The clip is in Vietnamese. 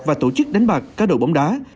và tổ chức đánh bạc cá đội bóng đá